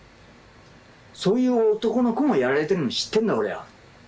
そういう男の子もやられているの知ってるんだ、俺は。